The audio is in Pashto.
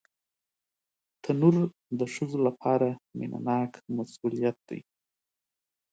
تنور د ښځو لپاره مینهناک مسؤلیت دی